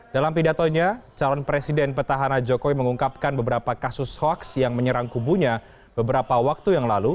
dalam pidatonya calon presiden petahana jokowi mengungkapkan beberapa kasus hoaks yang menyerang kubunya beberapa waktu yang lalu